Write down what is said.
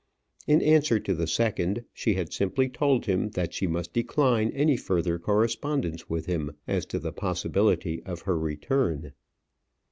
In answer to the second, she had simply told him that she must decline any further correspondence with him as to the possibility of her return.